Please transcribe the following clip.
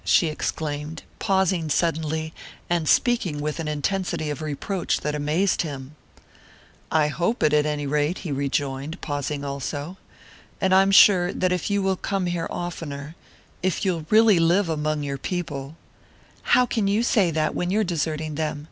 she exclaimed, pausing suddenly, and speaking with an intensity of reproach that amazed him. "I hope it, at any rate," he rejoined, pausing also. "And I'm sure that if you will come here oftener if you'll really live among your people " "How can you say that, when you're deserting them?"